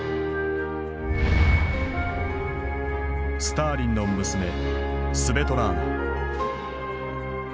スターリンの娘スヴェトラーナ。